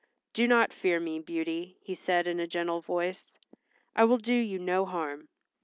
"Do not fear me, Beauty," he said in a gentle voice. "I will do you no harm.